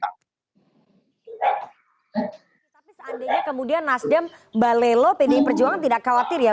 tapi seandainya kemudian nasdem mbak lelo pdi perjuangan tidak khawatir ya